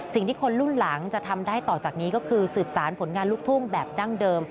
สิ่งที่คนรุ่นหลังจะทำได้ต่อจากนี้ก็คือสืบสารผลงานลูกทุ่งแบบดั้งเดิม